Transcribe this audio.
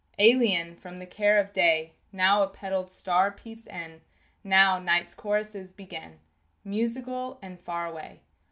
Alien from the care of day, Now a petalled star peeps in: Now night's choruses begin, Musical and far away.